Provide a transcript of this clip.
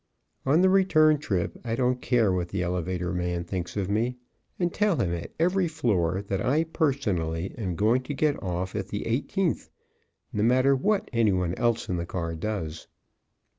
On the return trip I don't care what the elevator man thinks of me, and tell him at every floor that I, personally, am going to get off at the eighteenth, no matter what any one else in the car does.